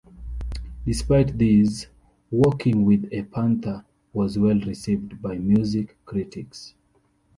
Despite this, "Walking With a Panther" was well received by music critics.